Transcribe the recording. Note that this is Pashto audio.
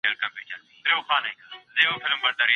انسان ولي حيران وي چي کوم تصميم ونيسي؟